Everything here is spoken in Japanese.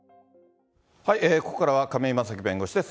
ここからは亀井正貴弁護士です。